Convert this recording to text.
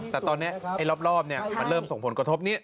แต่ตอนนี้รอบมันเริ่มส่งผลกระทบนี้